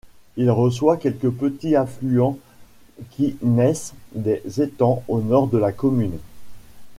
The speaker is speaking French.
Il reçoit quelques petits affluents qui naissent des étangs au nord de la commune.